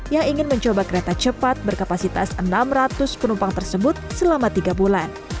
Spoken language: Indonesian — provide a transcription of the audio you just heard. yang ingin mencoba kereta cepat berkapasitas enam ratus penumpang tersebut selama tiga bulan